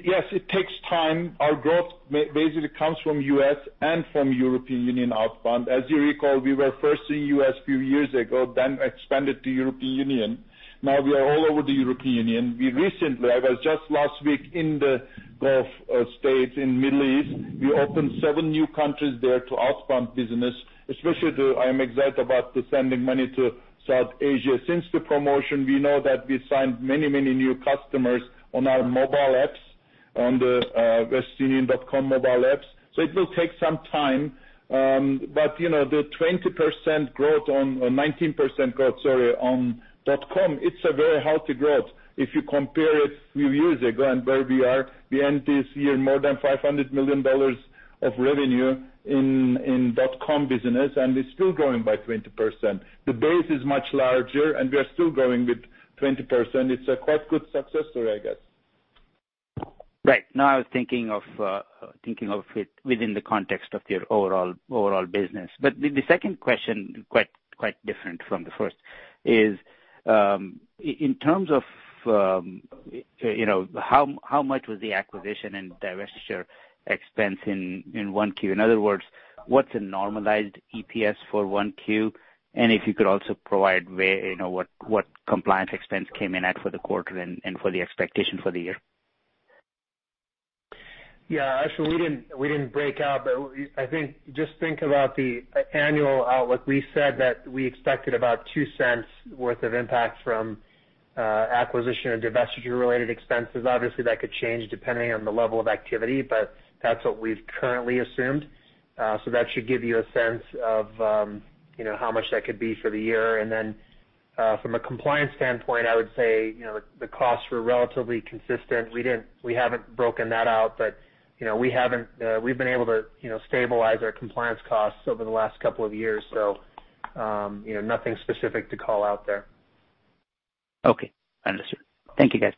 yes, it takes time. Our growth basically comes from U.S. and from European Union outbound. As you recall, we were first in U.S. a few years ago, then expanded to European Union. Now we are all over the European Union. We recently, I was just last week in the Gulf States in Middle East. We opened seven new countries there to outbound business, especially I am excited about the sending money to South Asia. Since the promotion, we know that we signed many new customers on our mobile apps, on the westernunion.com mobile apps. It will take some time. But the 19% growth on .com, it's a very healthy growth if you compare it few years ago and where we are. We end this year more than $500 million of revenue in .com business, and it's still growing by 20%. The base is much larger, and we are still growing with 20%. It's a quite good success story, I guess. Right. No, I was thinking of it within the context of your overall business. The second question, quite different from the first is, in terms of how much was the acquisition and divestiture expense in 1Q? In other words, what's a normalized EPS for 1Q? And if you could also provide what compliance expense came in at for the quarter and for the expectation for the year. Ashwin, we didn't break out, but just think about the annual outlook. We said that we expected about $0.02 worth of impact from acquisition and divestiture-related expenses. Obviously, that could change depending on the level of activity, but that's what we've currently assumed. That should give you a sense of how much that could be for the year. From a compliance standpoint, I would say, the costs were relatively consistent. We haven't broken that out, but we've been able to stabilize our compliance costs over the last couple of years, nothing specific to call out there. Okay. Understood. Thank you, guys.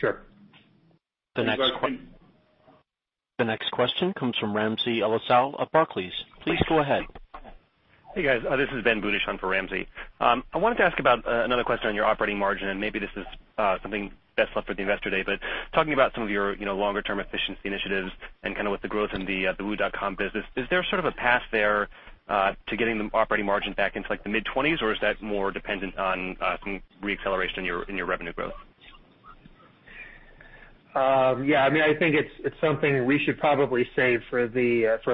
Sure. You're welcome. The next question comes from Ramsey El-Assal of Barclays. Please go ahead. Hey, guys. This is Benjamin Budish on for Ramsey. I wanted to ask about another question on your operating margin. Maybe this is something best left for the investor day. Talking about some of your longer-term efficiency initiatives and with the growth in the wu.com business, is there a path there to getting the operating margin back into the mid-20s, or is that more dependent on some re-acceleration in your revenue growth? Yeah. I think it's something we should probably save for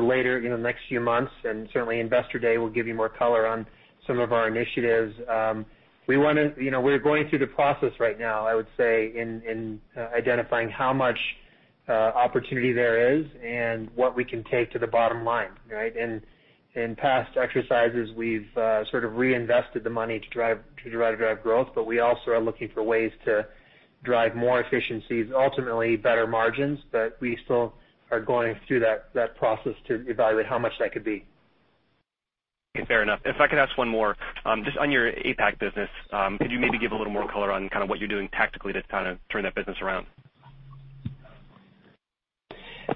later in the next few months, and certainly Investor Day will give you more color on some of our initiatives. We're going through the process right now, I would say, in identifying how much opportunity there is and what we can take to the bottom line, right? In past exercises, we've sort of reinvested the money to drive growth, but we also are looking for ways to drive more efficiencies, ultimately better margins. We still are going through that process to evaluate how much that could be. Okay. Fair enough. If I could ask one more. Just on your APAC business, could you maybe give a little more color on what you're doing tactically to turn that business around?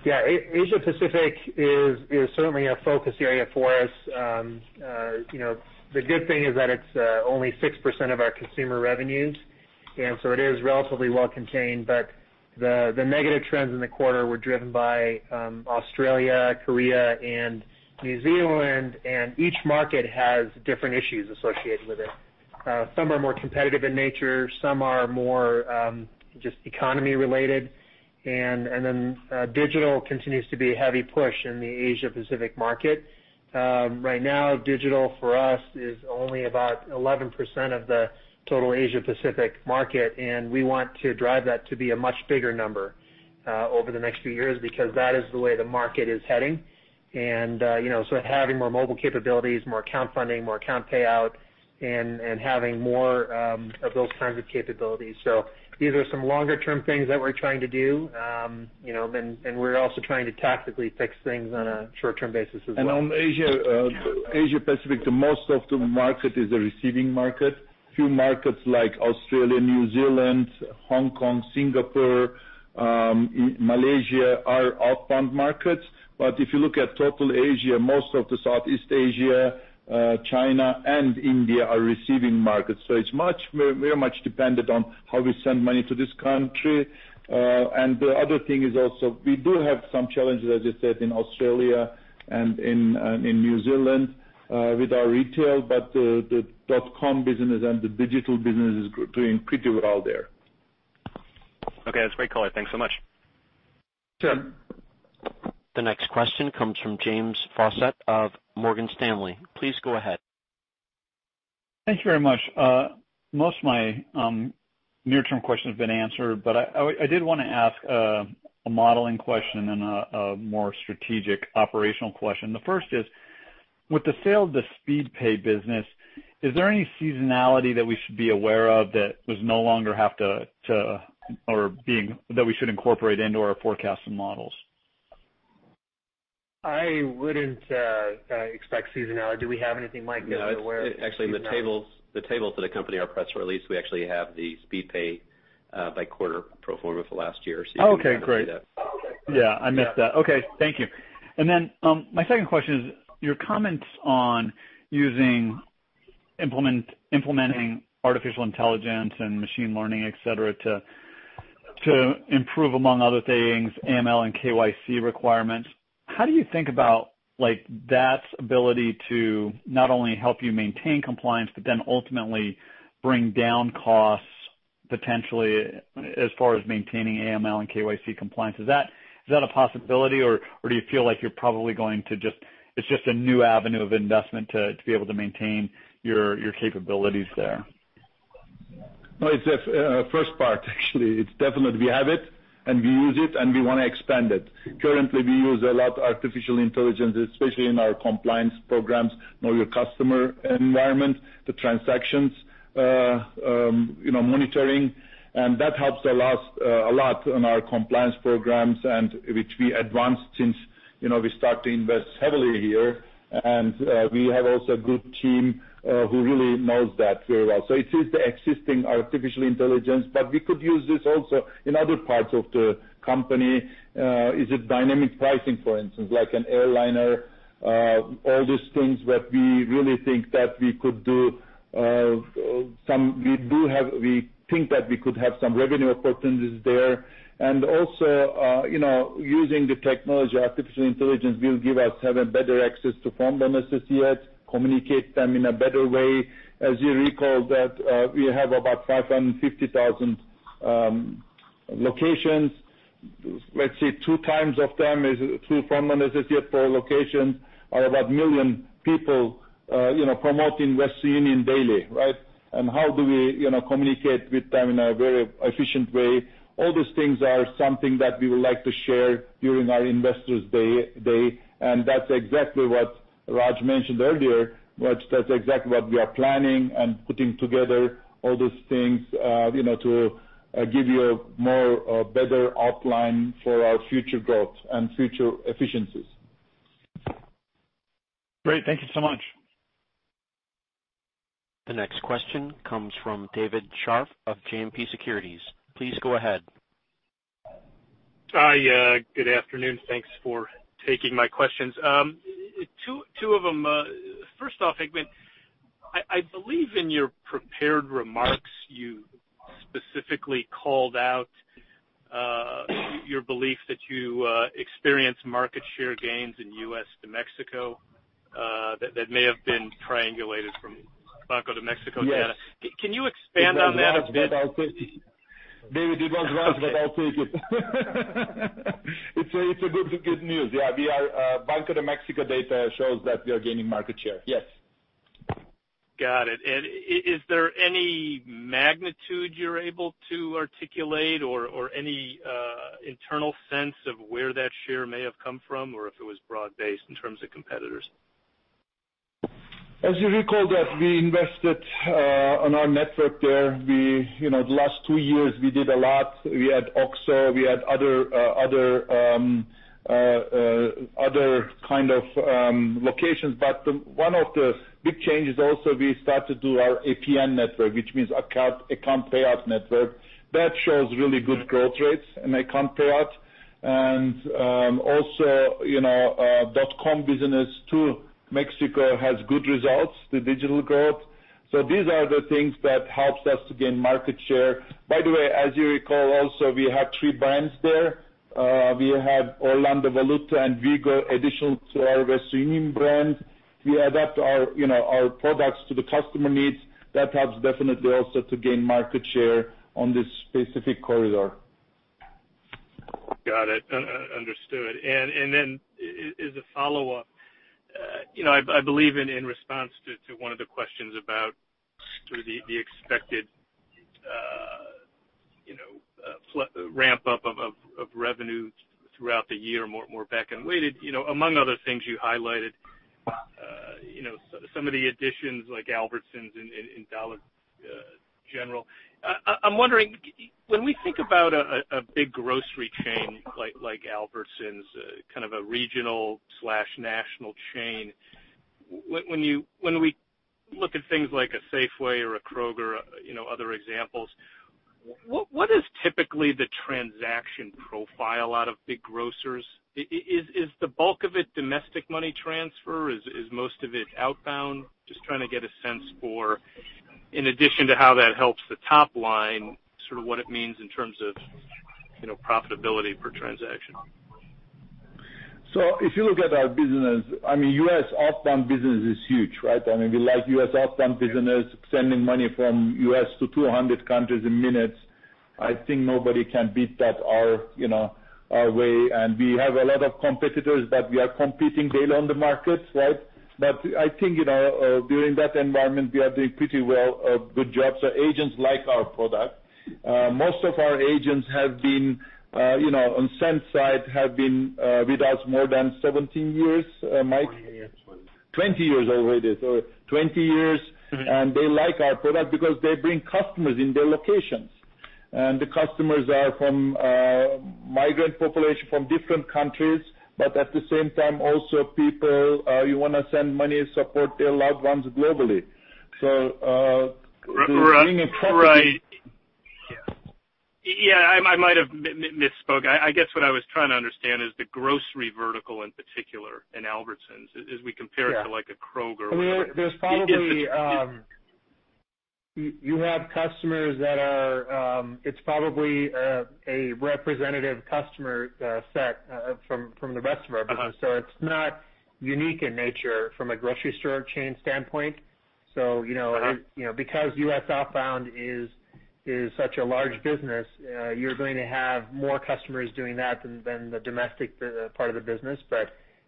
Yeah. Asia Pacific is certainly a focus area for us. The good thing is that it's only 6% of its consumer revenues, and so it is relatively well contained. The negative trends in the quarter were driven by Australia, Korea, and New Zealand, and each market has different issues associated with it. Some are more competitive in nature, some are more just economy-related. Digital continues to be a heavy push in the Asia Pacific market. Right now, digital for us is only about 11% of the total Asia Pacific market, and we want to drive that to be a much bigger number over the next few years, because that is the way the market is heading. Having more mobile capabilities, more account funding, more account payout, and having more of those kinds of capabilities. These are some longer-term things that we're trying to do, and we're also trying to tactically fix things on a short-term basis as well. On Asia Pacific, the most of the market is a receiving market. Few markets like Australia, New Zealand, Hong Kong, Singapore, Malaysia are outbound markets. If you look at total Asia, most of the Southeast Asia, China, and India are receiving markets. It's very much dependent on how we send money to this country. The other thing is also, we do have some challenges, as you said, in Australia and in New Zealand with our retail, but the .com business and the digital business is doing pretty well there. Okay. That's a great color. Thanks so much. Sure. The next question comes from James Faucette of Morgan Stanley. Please go ahead. Thank you very much. Most of my near-term question has been answered, I did want to ask a modeling question and a more strategic operational question. The first is, with the sale of the Speedpay business, is there any seasonality that we should be aware of, or being that we should incorporate into our forecast and models? I wouldn't expect seasonality. Do we have anything, Mike, that we're aware of seasonality? Actually, the tables of the company, our press release, we actually have the Speedpay by quarter pro forma for last year. Okay, great. factor that. Yeah, I missed that. Okay, thank you. My second question is your comments on using implementing artificial intelligence and machine learning, et cetera, to improve, among other things, AML and KYC requirements. How do you think about its ability to not only help you maintain compliance, but then ultimately bring down costs potentially as far as maintaining AML and KYC compliance? Is that a possibility or do you feel like you're probably going to just It's just a new avenue of investment to be able to maintain your capabilities there? No, it's the first part, actually. It's definitely we have it and we use it and we want to expand it. Currently, we use a lot of artificial intelligence, especially in our compliance programs, Know Your Customer environment, the transactions monitoring. That helps us a lot on our compliance programs and which we advanced since we start to invest heavily here. We have also a good team who really knows that very well. It is the existing artificial intelligence, but we could use this also in other parts of the company. Is it dynamic pricing, for instance, like an airliner? All these things that we really think that we could do. We think that we could have some revenue opportunities there. Also using the technology, artificial intelligence will give us have a better access to form associates, communicate them in a better way. As you recall that we have about 550,000 locations. Let's say two times of them is through formal associate per location are about 1 million people promoting Western Union daily, right? How do we communicate with them in a very efficient way? All these things are something that we would like to share during our Investors' Day. That's exactly what Raj mentioned earlier. That's exactly what we are planning and putting together all these things to give you a more better outline for our future growth and future efficiencies. Great. Thank you so much. The next question comes from David Scharf of JMP Securities. Please go ahead. Hi, good afternoon. Thanks for taking my questions. Two of them. First off, Hikmet, I believe in your prepared remarks you specifically called out your belief that you experienced market share gains in U.S. to Mexico that may have been triangulated from Banco de México data. Yes. Can you expand on that a bit? It was wrong, but I'll take it. It's good news. Yeah, Banco de México data shows that we are gaining market share. Yes. Got it. Is there any magnitude you are able to articulate or any internal sense of where that share may have come from or if it was broad-based in terms of competitors? As you recall that we invested on our network there. The last two years we did a lot. We had OXXO, we had other kind of locations. One of the big changes also, we start to do our APN network, which means Account Payout Network. That shows really good growth rates in account payout. Also, dot-com business to Mexico has good results, the digital growth. These are the things that helps us to gain market share. By the way, as you recall also, we have three brands there. We have Orlandi Valuta and Vigo additional to our Western Union brand. We adapt our products to the customer needs. That helps definitely also to gain market share on this specific corridor. Got it. Understood. As a follow-up, I believe in response to one of the questions about sort of the expected ramp-up of revenue throughout the year, more back-ended, among other things you highlighted some of the additions like Albertsons and Dollar General. I am wondering, when we think about a big grocery chain like Albertsons, kind of a regional/national chain, when we look at things like a Safeway or a Kroger, other examples, what is typically the transaction profile out of big grocers? Is the bulk of it domestic money transfer? Is most of it outbound? Just trying to get a sense for, in addition to how that helps the top line, sort of what it means in terms of profitability per transaction. If you look at our business, I mean, U.S. outbound business is huge, right? I mean, we like U.S. outbound business, sending money from U.S. to 200 countries in minutes. I think nobody can beat our way. We have a lot of competitors that we are competing daily on the markets. I think during that environment, we are doing pretty well, a good job. Agents like our product. Most of our agents on send side have been with us more than 17 years, Mike? 20 years. 20 years already. 20 years. They like our product because they bring customers in their locations, and the customers are from migrant population from different countries. At the same time, also people, you want to send money and support their loved ones globally. Raj? Bringing a product. Right. Yeah, I might have misspoke. I guess what I was trying to understand is the grocery vertical, in particular in Albertsons, as we compare it to like a Kroger. It's probably a representative customer set from the rest of our business. It's not unique in nature from a grocery store chain standpoint. Because U.S. outbound is such a large business, you're going to have more customers doing that than the domestic part of the business.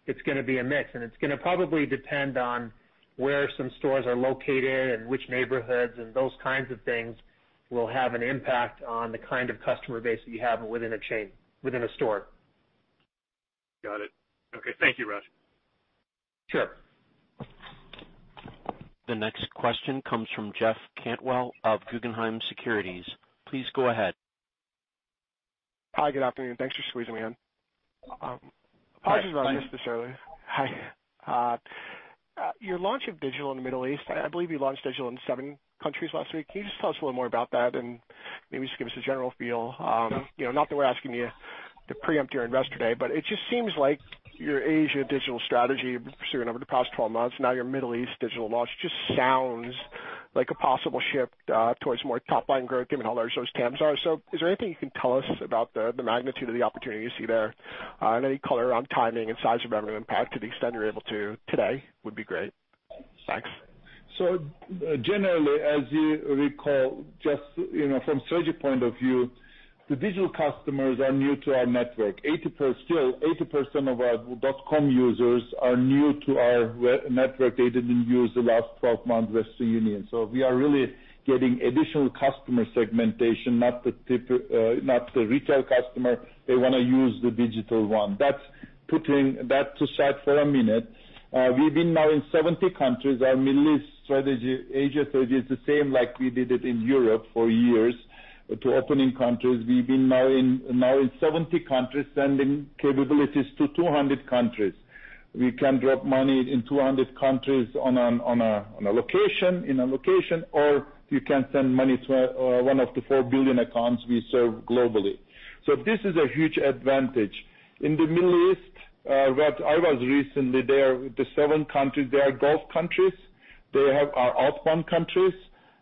It's going to be a mix, and it's going to probably depend on where some stores are located and which neighborhoods, and those kinds of things will have an impact on the kind of customer base that you have within a store. Got it. Okay. Thank you, Raj. Sure. The next question comes from Jeff Cantwell of Guggenheim Securities. Please go ahead. Hi. Good afternoon. Thanks for squeezing me in. Hi. This is Raj. Hi. Your launch of digital in the Middle East, I believe you launched digital in 7 countries last week. Can you just tell us a little more about that and maybe just give us a general feel? Not that we're asking you to preempt your Investor Day, but it just seems like your Asia digital strategy you've been pursuing over the past 12 months, now your Middle East digital launch just sounds like a possible shift towards more top-line growth given how large those TAMs are. Is there anything you can tell us about the magnitude of the opportunity you see there? Any color around timing and size of revenue impact to the extent you're able to today would be great. Thanks. Generally, as you recall, just from strategy point of view, the digital customers are new to our network. Still, 80% of our wu.com users are new to our network. They didn't use the last 12 months Western Union. We are really getting additional customer segmentation, not the retail customer. They want to use the digital one. Putting that aside for a minute, we've been now in 70 countries. Our Middle East strategy, Asia strategy is the same like we did it in Europe for years to opening countries. We've been now in 70 countries, sending capabilities to 200 countries. We can drop money in 200 countries in a location, or you can send money to one of the 4 billion accounts we serve globally. This is a huge advantage. In the Middle East, where I was recently, there the 7 countries, they are Gulf countries. They are outbound countries,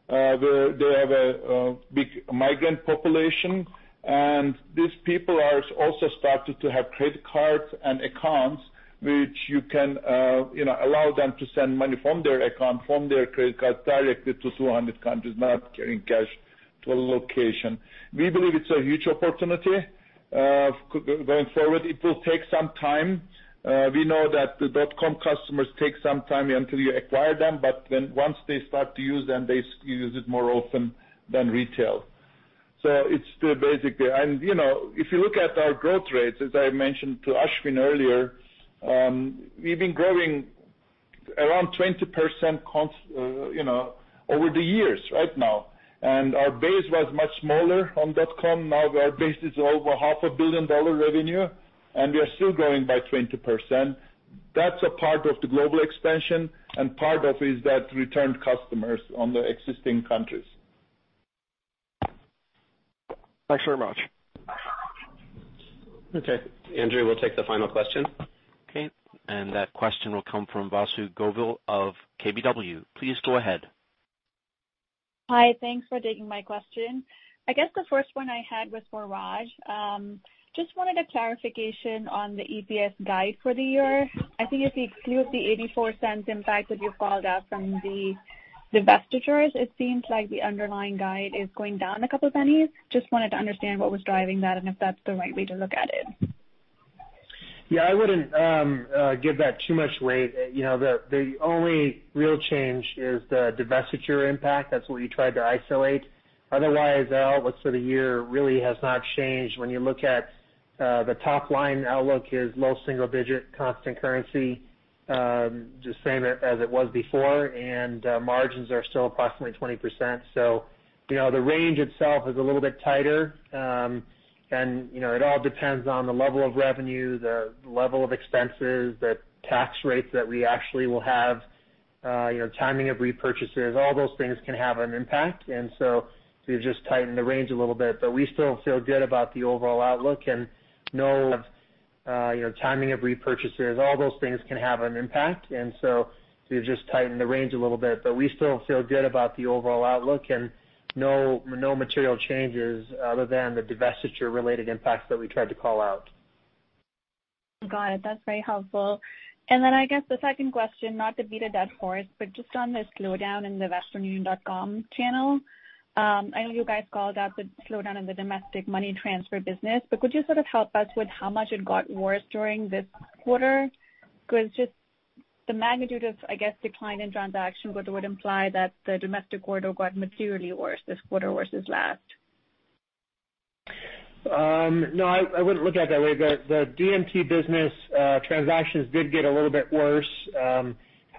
where they have a big migrant population. These people are also started to have credit cards and accounts which you can allow them to send money from their account, from their credit card directly to 200 countries, not carrying cash to a location. We believe it's a huge opportunity going forward. It will take some time. We know that the wu.com customers take some time until you acquire them, but then once they start to use them, they use it more often than retail. If you look at our growth rates, as I mentioned to Ashwin earlier, we've been growing around 20% over the years right now, and our base was much smaller on wu.com. Now our base is over half a billion dollar revenue, and we are still growing by 20%. That's a part of the global expansion, and part of is that return customers on the existing countries. Thanks very much. Okay. Andrew, we'll take the final question. Okay, that question will come from Vasundhara Govil of KBW. Please go ahead. Hi. Thanks for taking my question. I guess the first one I had was for Raj. Just wanted a clarification on the EPS guide for the year. I think if you exclude the $0.84 impact that you called out from the divestitures, it seems like the underlying guide is going down a couple pennies. Just wanted to understand what was driving that and if that's the right way to look at it. Yeah, I wouldn't give that too much weight. The only real change is the divestiture impact. That's what we tried to isolate. Otherwise, outlook for the year really has not changed. When you look at the top-line outlook is low single digit constant currency, the same as it was before, and margins are still approximately 20%. The range itself is a little bit tighter. It all depends on the level of revenue, the level of expenses, the tax rates that we actually will have, timing of repurchases, all those things can have an impact. We've just tightened the range a little bit, but we still feel good about the overall outlook and no material changes other than the divestiture-related impacts that we tried to call out. Got it. That's very helpful. I guess the second question, not to beat a dead horse, but just on the slowdown in the westernunion.com channel. I know you guys called out the slowdown in the domestic money transfer business, but could you sort of help us with how much it got worse during this quarter? Because just the magnitude of, I guess, decline in transaction growth would imply that the domestic quarter got materially worse this quarter versus last. No, I wouldn't look at it that way. The DMT business transactions did get a little bit worse.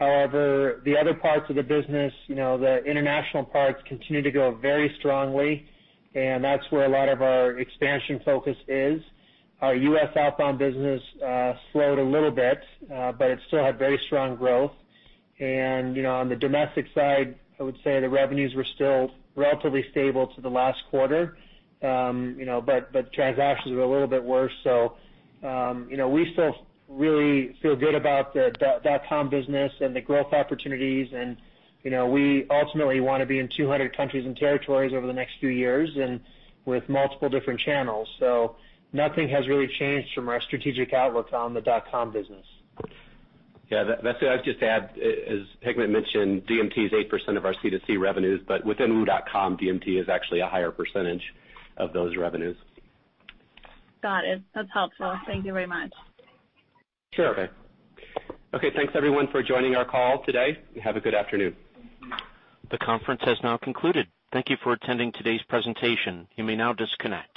However, the other parts of the business, the international parts continue to grow very strongly, and that's where a lot of our expansion focus is. Our U.S. outbound business slowed a little bit, but it still had very strong growth. On the domestic side, I would say the revenues were still relatively stable to the last quarter. Transactions were a little bit worse. We still really feel good about the dotcom business and the growth opportunities, and we ultimately want to be in 200 countries and territories over the next few years and with multiple different channels. Nothing has really changed from our strategic outlook on the dotcom business. Yeah. Vasu, I'd just add, as Hikmet mentioned, DMT is 8% of our C2C revenues, within wu.com, DMT is actually a higher percentage of those revenues. Got it. That's helpful. Thank you very much. Sure. Okay, thanks everyone for joining our call today. You have a good afternoon. The conference has now concluded. Thank you for attending today's presentation. You may now disconnect.